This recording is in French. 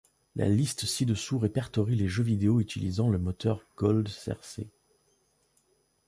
La liste ci-dessous répertorie les jeux vidéo utilisant le moteur GoldSrc.